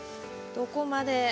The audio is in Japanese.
どこまで。